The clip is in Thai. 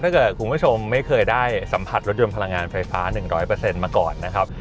ถ้าเกิดคุณผู้ชมไม่เคยได้สัมผัสรถยนต์พลังงานไฟฟ้า๑๐๐มาก่อนนะครับ